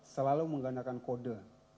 selalu menggunakan kode